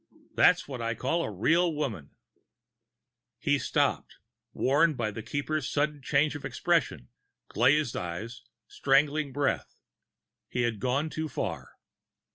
That's what I call a real woman." He stopped, warned by the Keeper's sudden change of expression, glazed eyes, strangling breath. He had gone too far.